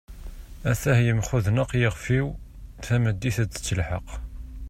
at-ah yemxudneq yixef-iw, tameddit ad tett lḥal